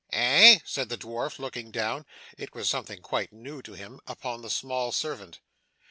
'Eh?' said the dwarf, looking down, (it was something quite new to him) upon the small servant.